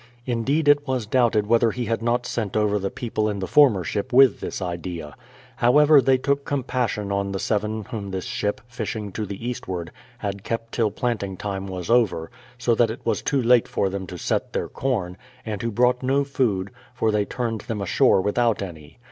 Indeed it was doubted whether he had not sent over the people in the former ship with this idea. However, they took com passion on the seven whom this ship, fishing to the eastward, had kept till planting time was over, so that it was too late for them to set their corn, and who brought no food, for they turned them ashore without any.